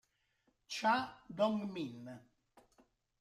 Cha Dong-min